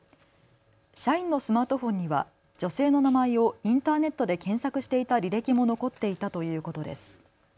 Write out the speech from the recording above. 社員のスマートフォンには女性の名前をインターネットで検索していた履歴も残っていたということです。